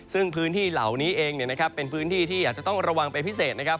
ซึ่งพื้นที่เหล่านี้เองเป็นพื้นที่ที่อาจจะต้องระวังเป็นพิเศษนะครับ